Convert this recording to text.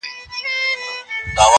داسې په ما پسې ملاله بې قراره نه وه